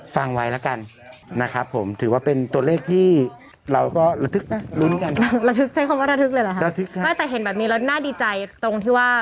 ฟังไว้แล้วกันถือว่าเป็นตัวเลขที่เราก็ระทึกนะลุ้นกัน